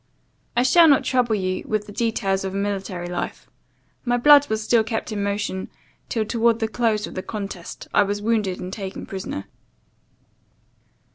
I shall not trouble you with the details of a military life. My blood was still kept in motion; till, towards the close of the contest, I was wounded and taken prisoner.